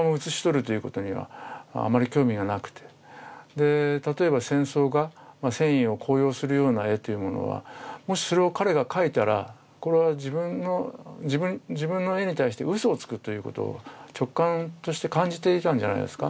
で例えば戦争画戦意を高揚するような絵というものはもしそれを彼が描いたらこれは自分の絵に対してうそをつくということを直感として感じていたんじゃないですか。